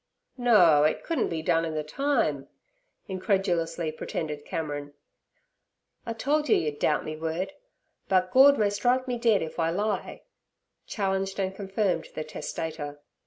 'No, it couldn't be done in the time' incredulously pretended Cameron. 'I told yer yer'd doubt me word; but Gord may strike me dead if I lie' challenged and confirmed the testator.